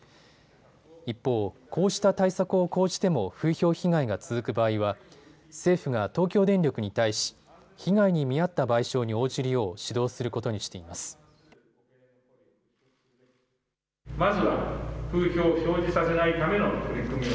一方、こうした対策を講じても風評被害が続く場合は政府が東京電力に対し被害に見合った賠償に応じるよう指導することにしています。